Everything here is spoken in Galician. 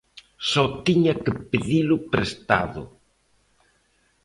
Só tiña que pedilo prestado.